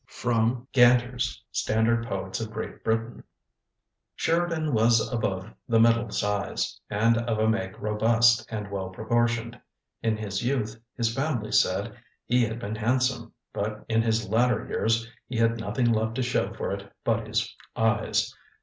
[Sidenote: Gantter's Standard Poets of Great Britain.] "Sheridan was above the middle size, and of a make robust and well proportioned. In his youth, his family said, he had been handsome; but in his latter years he had nothing left to show for it but his eyes.